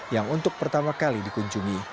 yang untuk pertama kali dikunjungi